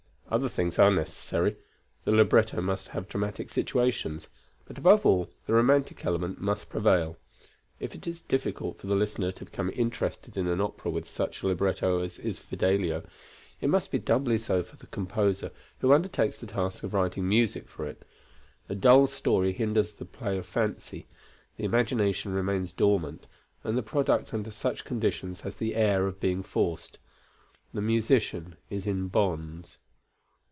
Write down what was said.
Other things are necessary; the libretto must have dramatic situations; but above all, the romantic element must prevail. If it is difficult for the listener to become interested in an opera with such a libretto as is Fidelio, it must be doubly so for the composer who undertakes the task of writing music for it. A dull story hinders the play of fancy; the imagination remains dormant, and the product under such conditions has the air of being forced. The musician is in bonds.